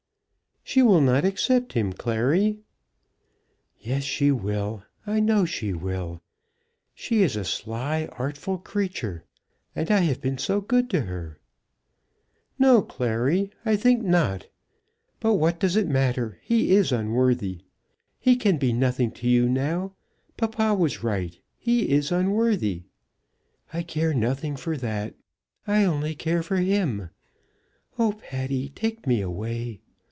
"She will not accept him, Clary." "Yes, she will. I know she will. She is a sly, artful creature. And I have been so good to her." "No, Clary; I think not; but what does it matter? He is unworthy. He can be nothing to you now. Papa was right. He is unworthy." "I care nothing for that. I only care for him. Oh, Patty, take me away.